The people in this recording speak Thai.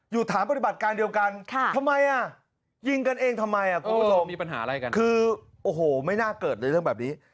อยู่ฐานปฏิบัติการเดียวกันทำไมน่ะยิงกันเองทำไมน่ะกรูสมคืออโหไปน่าเกิดเลยเรื่องแบบนี้